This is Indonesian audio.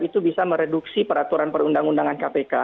itu bisa mereduksi peraturan perundang undangan kpk